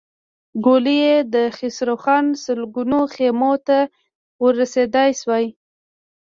ګولۍ يې د خسروخان سلګونو خيمو ته ور رسېدای شوای.